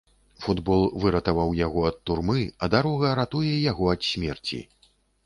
Футбол выратаваў яго ад турмы, а дарога ратуе яго ад смерці.